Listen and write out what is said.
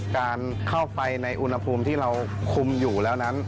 การเข้าไปในอุณหภูมิที่เราคุมอยู่แล้วนั้น